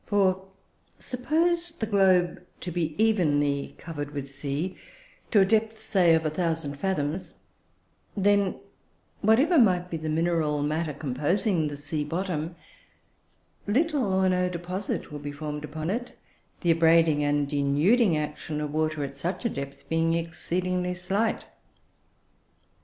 For, suppose the globe to be evenly covered with sea, to a depth say of a thousand fathoms then, whatever might be the mineral matter composing the sea bottom, little or no deposit would be formed upon it, the abrading and denuding action of water, at such a depth, being exceedingly slight.